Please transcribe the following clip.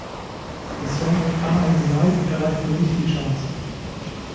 Der Song "Runner in the Night" erreichte nicht die Charts.